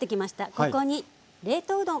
ここに冷凍うどん。